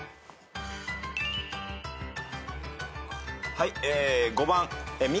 はい。